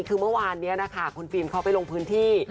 คือเมื่อวานนี้นะคะคุณฟิล์มเขาไปลงพื้นที่